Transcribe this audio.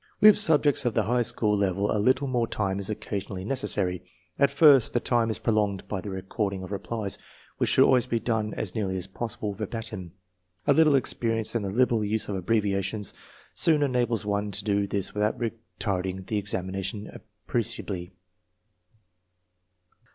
With subjects of the high school level a little more time is occasionally necessary. At first the time is prolonged by the recording of replies, which should always be done as nearly as possible verbatim. A little experience and the liberal use of abbreviations soon enables one to do this without retarding the examination appreciably.